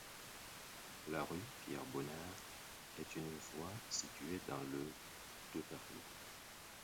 La rue Pierre-Bonnard est une voie située dans le de Paris.